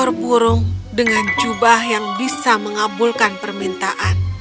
juga ada burung dengan jubah yang bisa mengabulkan permintaan